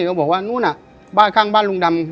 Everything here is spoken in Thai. ก็บอกว่านู้นบ้านข้างบ้านลุงดำ